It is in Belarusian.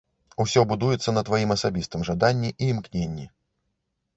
Усё будуецца на тваім асабістым жаданні і імкненні.